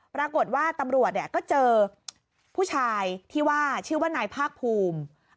ปรากฏว่าตำรวจก็เจอผู้ชายที่ว่าชื่อว่านายภาคภูมิ